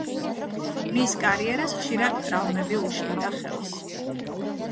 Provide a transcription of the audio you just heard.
მის კარიერას ხშირად ტრავმები უშლიდა ხელს.